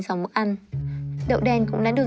sau mức ăn đậu đen cũng đã được